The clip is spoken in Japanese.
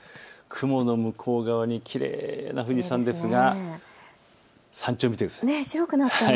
雲の向こう側にきれいな富士山ですが山頂を見てください。